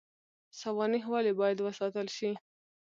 سوانح ولې باید وساتل شي؟